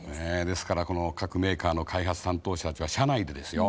ですから各メーカーの開発担当者たちは社内でですよ